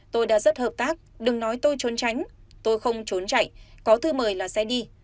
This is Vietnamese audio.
tôi đã rất hợp tác đừng nói tôi trốn tránh tôi không trốn chạy có thư mời là xe đi